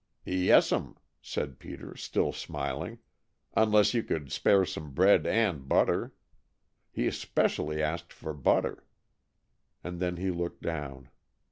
"Yes'm," said Peter, still smiling, "unless you could spare some bread and butter. He 'specially asked for butter," and then he looked down.